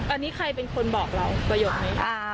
อันนี้ใครเป็นคนบอกเราประโยคนี้